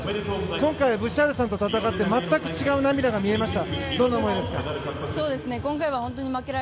今回、ブシャールさんと戦って全く違う涙が見えました。